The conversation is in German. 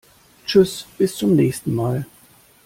Tschüß, bis zum nächsen mal!